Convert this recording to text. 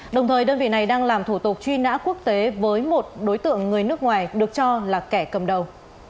đồng thời đơn vị này đang làm thủ tục truy nã quốc tế với một đối tượng người nước ngoài được cho là kẻ cầm đầu